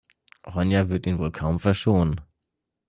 Ronja wird ihn wohl kaum verschonen.